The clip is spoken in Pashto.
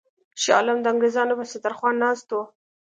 شاه عالم د انګرېزانو پر سترخوان ناست وو.